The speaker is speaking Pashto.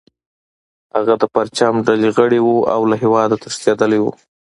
هغه د پرچم ډلې غړی و او له هیواده تښتیدلی و